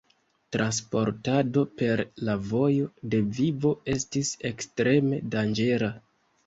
Transportado per la Vojo de Vivo estis ekstreme danĝera.